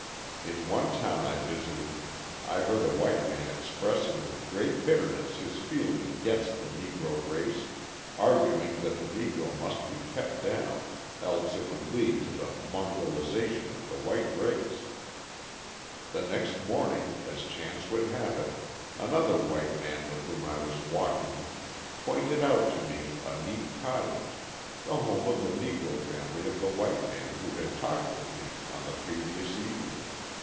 In one town I visited I heard a white man expressing with great bitterness his feeling against the Negro race, arguing that the Negro must be kept down, else it would lead to the mongrelisation of the white race. The next morning as chance would have it, another white man with whom I was walking pointed out to me a neat cottage, the home of the Negro family of the white man who had talked with me on the previous evening.